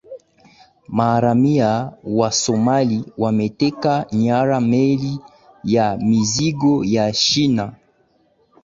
maharamia wa somali wameteka nyara meli ya mizigo ya china